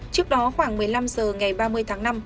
trước đó khoảng một mươi năm h ngày ba mươi tháng năm